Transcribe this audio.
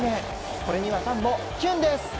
これにはファンもキュンです！